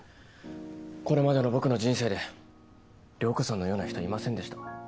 これまでの僕の人生で涼子さんのような人はいませんでした